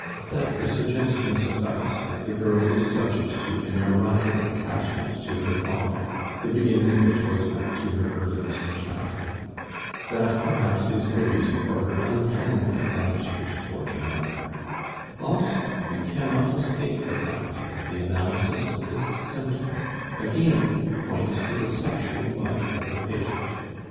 Let the suggestion suffice that the girl is subject to an erotic attachment to her father, the beginning of which goes back to her earliest childhood. That perhaps is the reason for her unfriendly attitude toward her mother. Also we cannot escape the fact that the analysis of this symptom again points to the sexual life of the patient.